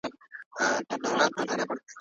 د سهار ارامي د ده د روح تنده ماته کړه.